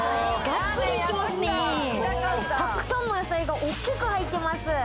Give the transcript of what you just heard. たくさんの野菜が大きく入ってます。